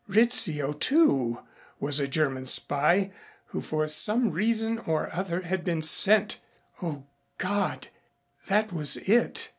Rizzio, too, was a German spy who for some reason or other had been sent O God that was it.